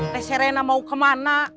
teh serena mau kemana